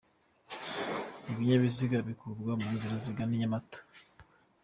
Ibinyabiziga bikurwa mu nzira zigana i Nyamata.